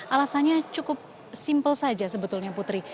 alasannya cukup simpel saja sebetulnya putri